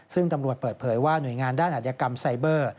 ซึ่งตำรวจเปิดเผยว่าหน่วยงานด้านอัธยกรรมไซเบอร์